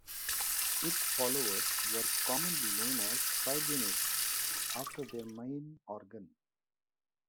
It followers were commonly known as 'Tribunists' after their main organ.